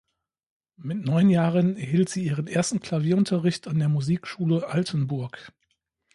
Mit neun Jahren erhielt sie ihren ersten Klavierunterricht an der Musikschule Altenburg.